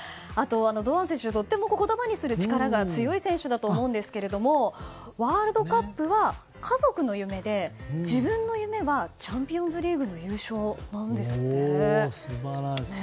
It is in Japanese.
堂安選手とっても言葉にする力が強い選手だと思うんですがワールドカップは家族の夢で自分の夢はチャンピオンズリーグの素晴らしい。